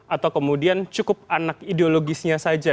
atau kemudian cukup anak ideologisnya saja